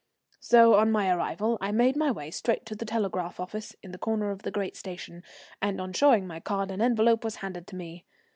So on my arrival I made my way straight to the telegraph office in the corner of the great station, and on showing my card an envelope was handed to me.